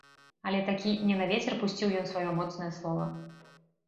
Але такі не на вецер пусціў ён сваё моцнае слова.